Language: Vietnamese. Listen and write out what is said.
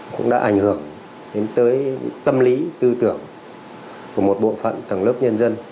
cũng đã ảnh hưởng đến tới tâm lý tư tưởng của một bộ phận tầng lớp nhân dân